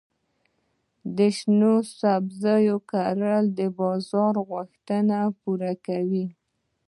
د شنو سبزیو کرل د بازار غوښتنې پوره کوي.